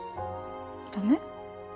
ダメ？